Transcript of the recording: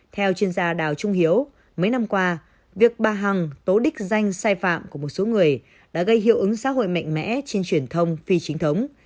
theo chuyên gia đào trung hiếu mấy năm qua việc bà hằng tố đích danh sai phạm của một số người đã gây hiệu ứng xã hội mạnh mẽ trên truyền thông phi chính thống